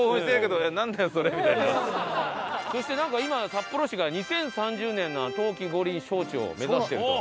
そしてなんか今札幌市が２０３０年の冬季五輪招致を目指してると。